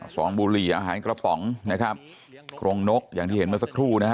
สองบุหรี่อาหารกระป๋องนะครับกรงนกอย่างที่เห็นเมื่อสักครู่นะฮะ